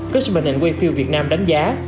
cách bình hình quay phiêu việt nam đánh giá